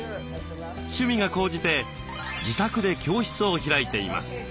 趣味が高じて自宅で教室を開いています。